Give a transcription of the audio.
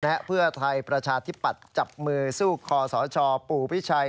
และเพื่อไทยประชาธิปัตย์จับมือสู้คอสชปู่พิชัย